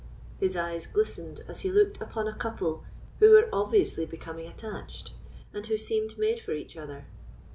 His eyes glistened as he looked upon a couple who were obviously becoming attached, and who seemed made for each other.